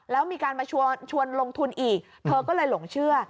แล้วมีการมาชวนลงทุนอีกเธอก็เลยหลงเชื่อ